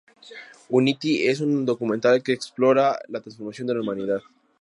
Unity es un documental que explora la transformación de la humanidad.